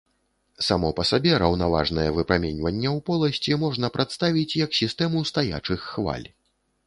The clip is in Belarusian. Само па сабе, раўнаважнае выпраменьванне ў поласці можна прадставіць як сістэму стаячых хваль.